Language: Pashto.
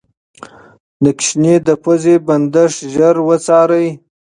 د ماشوم د پوزې بندښت ژر وڅارئ.